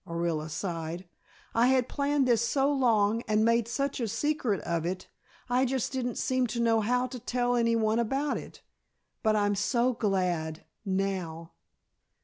Orilla sighed. "I had planned this so long and made such a secret of it, I just didn't seem to know how to tell anyone about it. But I'm so glad now!"